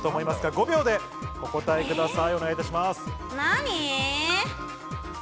５秒でお答えください。